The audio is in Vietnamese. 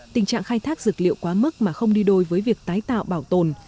tình trạng khai thác dược liệu quá mức mà không đi đôi với việc tái tạo bảo tồn